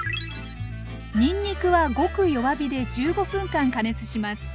にんにくはごく弱火で１５分間加熱します。